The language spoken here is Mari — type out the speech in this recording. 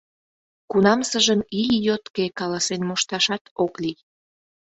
Кунамсыжым ий йотке каласен мошташат ок лий.